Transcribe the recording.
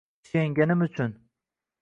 Suyganim uchun…